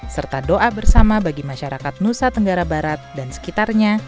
serta doa bersama bagi masyarakat nusa tenggara barat dan sekitarnya